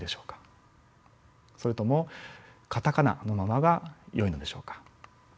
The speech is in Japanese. それともカタカナのままがよいのでしょうか。